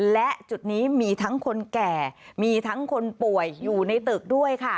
และจุดนี้มีทั้งคนแก่มีทั้งคนป่วยอยู่ในตึกด้วยค่ะ